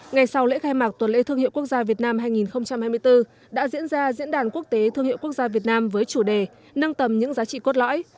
ngày sau lễ khai mạc tuần lễ thương hiệu quốc gia việt nam hai nghìn hai mươi bốn đã diễn ra diễn đàn quốc tế thương hiệu quốc gia việt nam với chủ đề nâng tầm những giá trị cốt lõi